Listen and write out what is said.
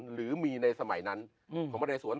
หรือมีในสมัยนั้นของมะเรสวน